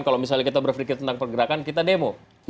kalau misalnya kita berpikir tentang pergerakan kita demo